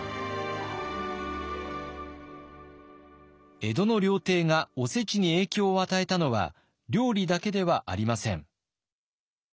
江戸の料亭がおせちに影響を与えたのは料理だけではありません。